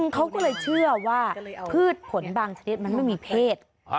เขาก็เลยเชื่อว่าพืชผลบางชนิดมันไม่มีเพศ